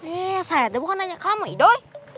eh saya tuh bukan hanya kamu idoi